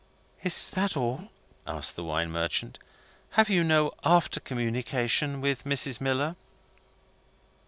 "Is that all?" asked the wine merchant. "Had you no after communication with Mrs. Miller?"